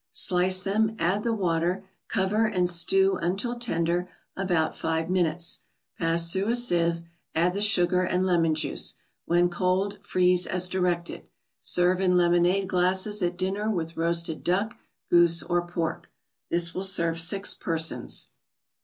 Slice them, add the water, cover and stew until tender, about five minutes. Press through a sieve, add the sugar and lemon juice. When cold, freeze as directed. Serve in lemonade glasses at dinner with roasted duck, goose or pork. This will serve six persons.